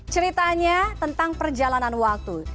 ceritanya tentang perjalanan waktu